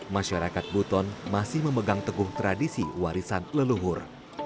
masyarakat buton masih memegang teguh tradisi warisan leluhur